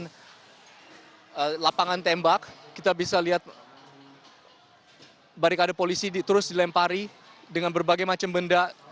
di lapangan tembak kita bisa lihat barikade polisi terus dilempari dengan berbagai macam benda